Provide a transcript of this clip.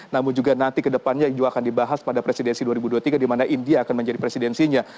namun juga nanti kedepannya juga akan dibahas pada presidensi dua ribu dua puluh tiga di mana india akan menjadi presidensinya